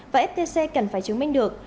và ftc cần phải chứng minh được